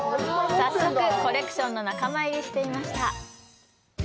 早速、コレクションの仲間入りしてました。